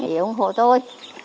để ủng hộ tôi